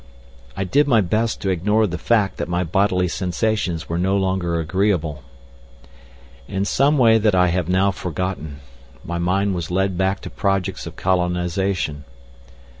I did my best to ignore the fact that my bodily sensations were no longer agreeable. In some way that I have now forgotten, my mind was led back to projects of colonisation.